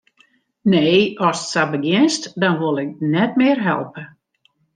Nee, ast sa begjinst, dan wol ik net mear helpe.